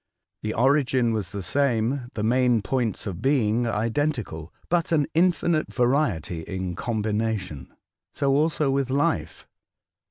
The origin was the same, the main points of being identical, but an infinite variety in combination. So also with life.